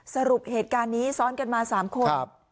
สรุปเหตุการณ์นี้ซ้อนกันมา๓คน